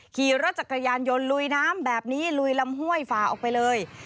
ขี่รถจักรยานยนต์ลุยน้ำแบบนี้ลุยลำห้วยฝ่าออกไปเลย